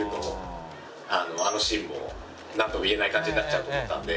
あのシーンもなんとも言えない感じになっちゃうと思ったんで。